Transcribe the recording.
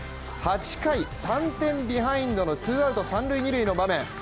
８回、３点ビハインドのツーアウトの場面